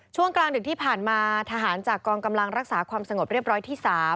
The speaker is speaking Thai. ช่วงกลางดึกที่ผ่านมาทหารจากกองกำลังรักษาความสงบเรียบร้อยที่๓